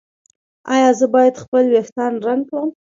ایا زه باید خپل ویښتان رنګ کړم؟